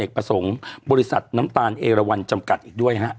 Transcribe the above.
ให้กับอนาคตของชาติณราญแอนกประสงค์บริษัทน้ำตาลเอรวร์จำกัดด้วยนะครับ